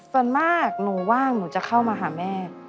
ส่วนมากหนูว่างหนูจะเข้ามาหาแม่